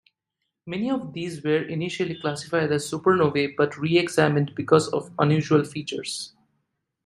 Many of these were initially classified as supernovae but re-examined because of unusual features.